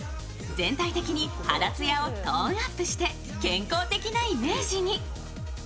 全体的に肌つやをトーンアップして健康的なイメージに。